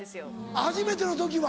あっ初めての時は。